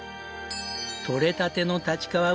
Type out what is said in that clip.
採れたての立川